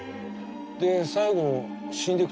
で最後死んでく時